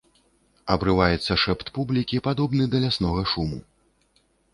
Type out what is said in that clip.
Абрываецца шэпт публікі, падобны да ляснога шуму.